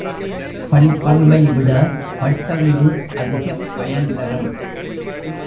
படிப்பறிவை விட, பட்டறிவு அதிகப் பயன் தரும்.